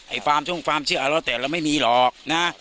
ไอ้ฟาร์มช่วงฟาร์มเชื่อเราแต่เราไม่มีหรอกนะ